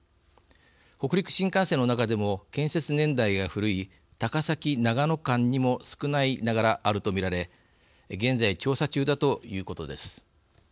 北陸新幹線の中でも建設年代が古い高崎、長野間にも少ないながら、あると見られ現在、調査中だということです。